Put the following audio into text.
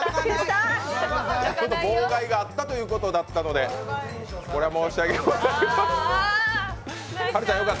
妨害があったということだったのでこれは申し訳ございません。